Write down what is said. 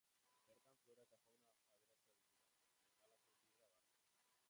Bertan flora eta fauna aberatsa bizi da, Bengalako tigrea barne.